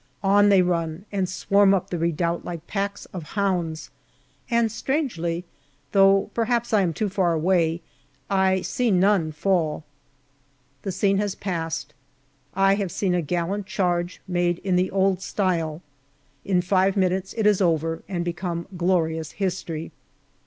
On they run, and swarm up the redoubt like packs of hounds, and strangely though perhaps I am too far away I see none fall. The scene has passed : I have seen a gallant charge, made in the old style. In five minutes it is over and become glorious history.